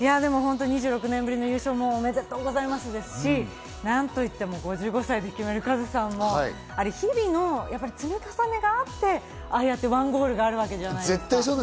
２６年ぶりの優勝もおめでとうですし、なんといっても５５歳のキングカズさんも日々の積み重ねがあって、ああやって１ゴールあるわけじゃないですか。